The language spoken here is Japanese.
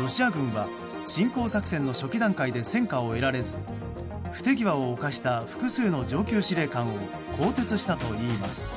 ロシア軍は侵攻作戦の初期段階で戦果を得られず不手際を犯した複数の上級司令官を更迭したといいます。